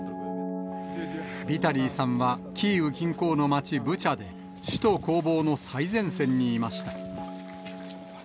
ビタリーさんはキーウ近郊の町ブチャで、首都攻防の最前線にいました。